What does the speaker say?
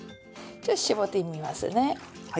ちょっと絞ってみますね。